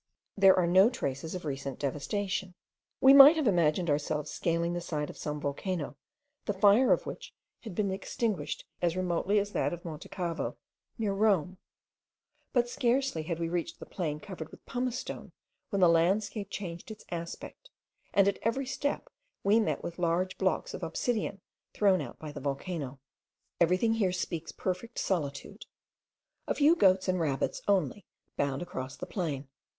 There are no traces of recent devastation. We might have imagined ourselves scaling the side of some volcano, the fire of which had been extinguished as remotely as that of Monte Cavo, near Rome; but scarcely had we reached the plain covered with pumice stone, when the landscape changed its aspect, and at every step we met with large blocks of obsidian thrown out by the volcano. Everything here speaks perfect solitude. A few goats and rabbits only bound across the plain.